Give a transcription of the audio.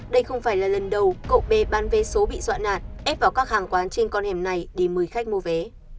đây không phải là lần đầu cậu bê bán vé số bị dọa nạt ép vào các hàng quán trên con hẻm này để mời khách mua vé